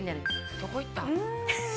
どこ行ったん？